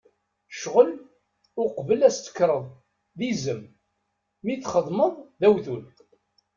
Ccɣel, uqbel ad as-tekkreḍ, d izem! Mi t-txedmeḍ, d awtul.